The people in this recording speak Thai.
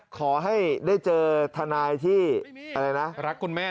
ขอให้ได้เจอธนาฬิชาที่รักคุณแม่